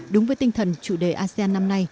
đúng với tinh thần chủ đề asean năm nay